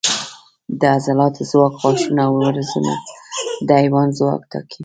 د عضلاتو ځواک، غاښونه او وزرونه د حیوان ځواک ټاکي.